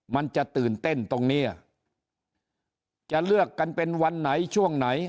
มันจะตื่นเต้นตรงเนี้ยจะเลือกกันเป็นวันไหนช่วงไหน